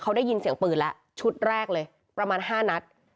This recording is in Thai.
เขาได้ยินเสียงปืนแล้วชุดแรกเลยประมาณ๕นัด